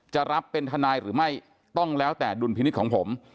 รับเป็นทนายหรือไม่ต้องแล้วแต่ดุลพินิษฐ์ของผม